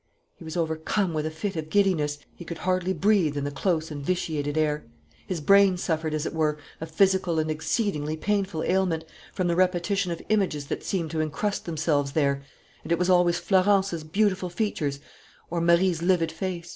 He was overcome with a fit of giddiness. He could hardly breathe in the close and vitiated air. His brain suffered, as it were, a physical and exceedingly painful ailment, from the repetition of images that seemed to encrust themselves there; and it was always Florence's beautiful features or Marie's livid face.